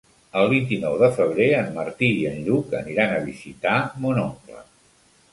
El vint-i-nou de febrer en Martí i en Lluc aniran a visitar mon oncle.